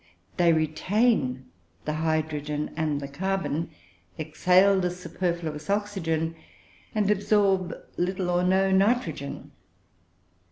They retain the hydrogen and the carbon, exhale the superfluous oxygen, and absorb little or no nitrogen.